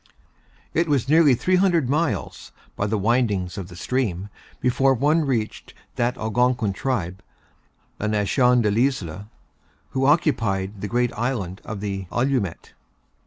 It was nearly three hundred miles, by the windings of the stream, before one reached that Algonquin tribe, La Nation de l'Isle, who occupied the great island of the Allumettes.